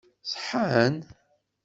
Ṣeḥḥan?